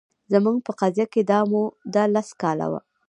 زموږ په قضیه کې دا موده لس کاله وه